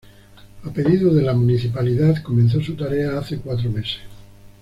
A pedido de la municipalidad, comenzó su tarea hace cuatros meses.